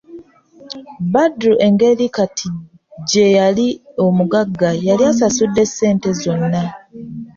Badru engeri kati gye yali omugagga yali asasudde ssente zonna.